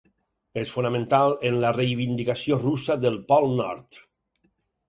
És fonamental en la reivindicació russa del pol nord.